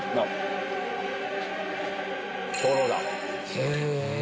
へぇ。